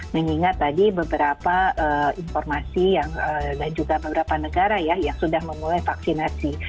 mengingat tadi beberapa informasi yang dan juga beberapa negara ya yang sudah memulai vaksinasi